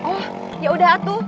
oh ya udah tuh